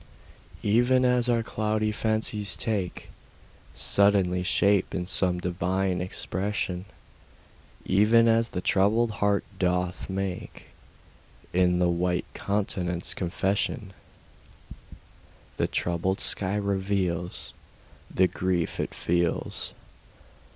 Even as our cloudy fancies take Suddenly shape in some divine expression, Even as the troubled heart doth make In the white countenance confession, The troubled sky reveals The grief it feels.